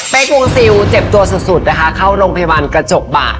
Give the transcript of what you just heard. เป็นฝากตีเจ็บตัวกันสุดเข้าโรงพยาบาลกระจกบ่ะ